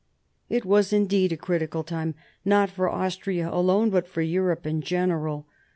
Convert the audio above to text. It was indeed a critical time, not for Austria alone, but for Europe in general.